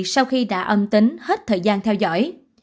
sau khi đã âm tính hết thời gian theo dõi